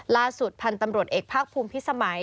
ล่าสุดพันธุ์ตำรวจเอกภาคภูมิพิสมัย